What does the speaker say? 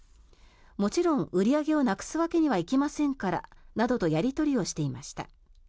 もちろん売り上げをなくすわけにはいきませんからなどとやり取りをしていました。